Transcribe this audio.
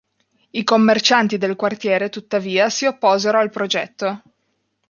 I commercianti del quartiere tuttavia si opposero al progetto.